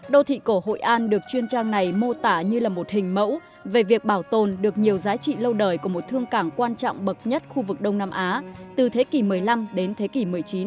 đô thị cổ hội an được chuyên trang này mô tả như là một hình mẫu về việc bảo tồn được nhiều giá trị lâu đời của một thương cảng quan trọng bậc nhất khu vực đông nam á từ thế kỷ một mươi năm đến thế kỷ một mươi chín